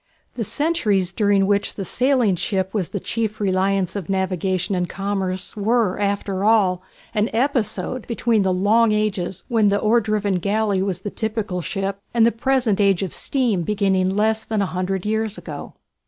The centuries during which the sailing ship was the chief reliance of navigation and commerce were, after all, an episode between the long ages when the oar driven galley was the typical ship, and the present age of steam beginning less than a hundred years ago.